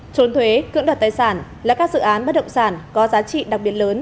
trốn thuế cưỡng đặt tài sản là các dự án bắt động sản có giá trị đặc biệt lớn